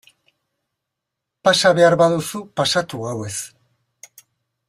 Pasa behar baduzu pasatu gauez...